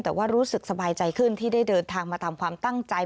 แต่ว่ารู้สึกสบายใจขึ้นที่ได้เดินทางมาทำความตั้งใจ